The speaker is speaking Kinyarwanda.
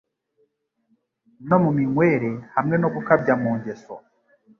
no mu minywere hamwe no gukabya mu ngeso